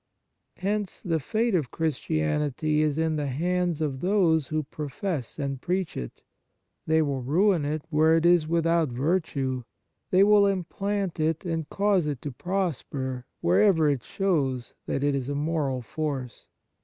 Hence, the fate of Chris tianity is in the hands of those who profess and preach it : they will ruin it where it is without virtue ; they will implant it and cause it to prosper wherever it shows that it is a moral force.